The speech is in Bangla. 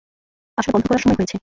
আসলে বন্ধ করার সময় হয়েছে।